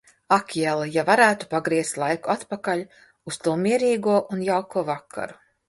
Ak jel, ja varētu pagriezt laiku atpakaļ uz to mierīgo un jauko vakaru.